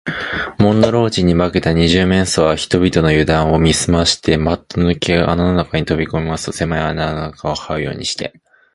門野老人に化けた二十面相は、人々のゆだんを見すまして、パッとぬけ穴の中にとびこみますと、せまい穴の中をはうようにして、